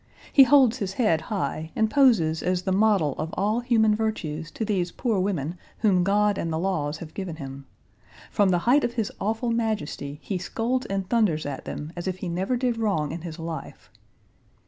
He holds his head high and poses as the model of all human virtues to these poor women whom God and the laws have given him. From the height of his awful majesty he scolds and thunders at them as if he never did wrong in his life.